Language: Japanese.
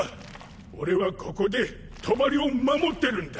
俺はここで帳を守ってるんだ。